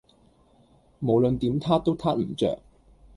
無論點撻都撻唔着